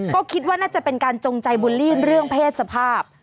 ก็คิดว่าน่าจะเป็นการจงใจบุลลี่เรื่องเพศสภาพ